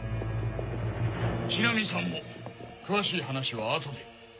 ちなみさんも詳しい話は後で。